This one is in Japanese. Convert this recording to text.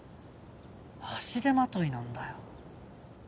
足手まといなんだよ。